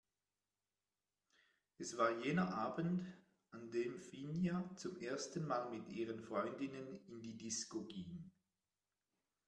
Es war jener Abend, an dem Finja zum ersten Mal mit ihren Freundinnen in die Disco ging.